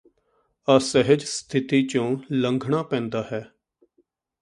ਅਸਹਿਜ ਸਥਿਤੀ ਚੋਂ ਲੰਘਣਾ ਪੈਂਦਾ ਹੈ